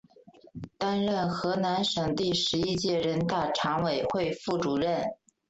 担任河南省第十一届人大常委会副主任。